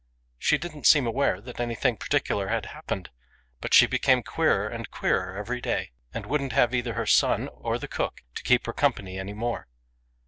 She didn't seem aware that anything particular had hap pened, but she became queerer and queerer every day, 86 STRANGE STORIES and wouldn't have either her son or the cook to keep her company any more.